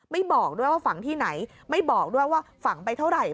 บอกด้วยว่าฝังที่ไหนไม่บอกด้วยว่าฝังไปเท่าไหร่